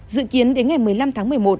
dự kiến đến ngày một mươi năm tháng một mươi một